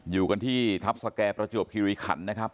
อยู่กันที่ทัพสแก่ประจวบคิริขันนะครับ